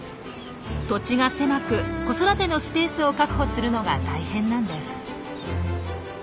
土地が狭く子育てのスペースを確保するのが大変なんです。